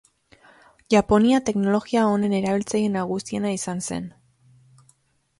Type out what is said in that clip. Japonia teknologia honen erabiltzaile nagusiena izan zen.